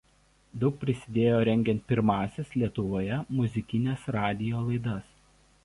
Daug prisidėjo rengiant pirmąsias Lietuvoje muzikines radijo laidas.